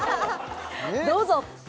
どうぞ！